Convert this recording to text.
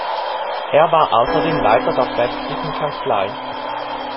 Er war außerdem Leiter der Päpstlichen Kanzlei.